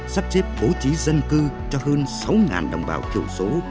sắp xếp bố trí dân cư cho hơn sáu đồng bào kiểu số